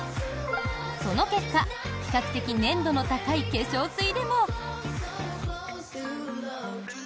その結果比較的粘度の高い化粧水でも。